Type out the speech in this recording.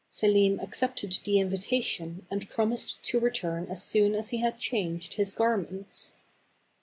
Selim accepted the invitation and promised to return as soon as he had changed his garments.